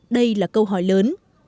đây là câu hỏi lớn